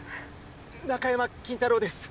中山筋太郎です。